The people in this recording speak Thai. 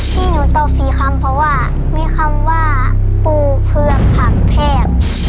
ที่หนูตอบ๔คำเพราะว่ามีคำว่าปูเผือกผักแทบ